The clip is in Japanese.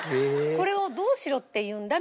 これをどうしろっていうんだ？